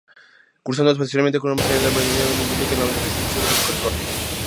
Cursando posteriormente una maestría en Administración Pública en la Universidad del Sur de California.